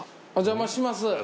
お邪魔します。